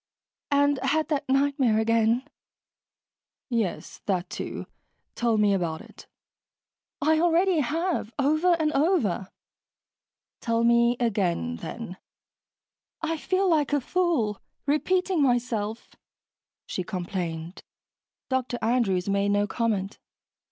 "And had that nightmare again." "Yes, that, too. Tell me about it." "I already have. Over and over." "Tell me again, then." "I feel like a fool, repeating myself," she complained. Dr. Andrew's made no comment.